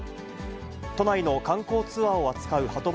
都内の観光ツアーを扱うはと